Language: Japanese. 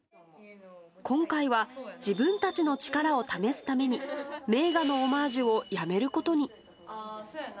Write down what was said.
今回は自分たちの力を試すために、名画のオマージュをやめることに。